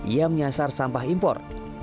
ia menyasar sampah impor